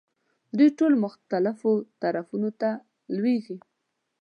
دوی ټول مختلفو طرفونو ته لویېږي.